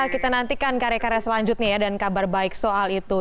kita nantikan karya karya selanjutnya ya dan kabar baik soal itu